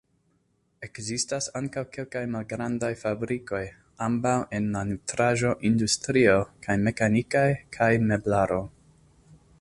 Ekzistas ankaŭ kelkaj malgrandaj fabrikoj, ambaŭ en la nutraĵo-industrio kaj mekanikaj kaj meblaro.